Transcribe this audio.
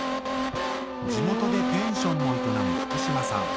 地元でペンションも営む福島さん